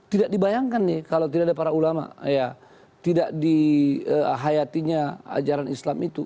tidak dibayangkan nih kalau tidak ada para ulama ya tidak dihayatinya ajaran islam itu